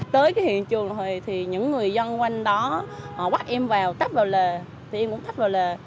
tới hiện trường thì những người dân quanh đó họ quắt em vào tắp vào lề thì em cũng tắp vào lề